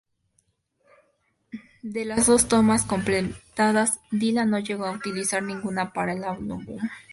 De las dos tomas completadas, Dylan no llegó a utilizar ninguna para el álbum.